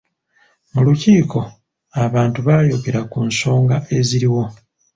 Mu lukiiko, abantu baayogera ku nsonga eziriwo.